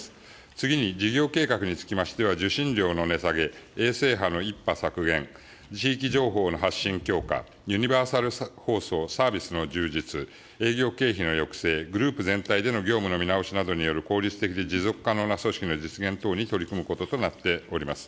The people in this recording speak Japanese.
次に事業計画につきましては、受信料の値下げ、衛星波の１波削減、地域情報の発信強化、ユニバーサル放送・サービスの充実、営業経費の抑制、グループ全体での業務の見直しなどによる効率的で持続可能な組織の実現等に取り組むこととなっております。